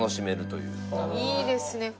いいですね。